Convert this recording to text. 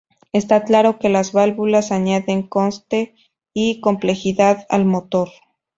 Está claro que las válvulas añaden coste y complejidad al motor.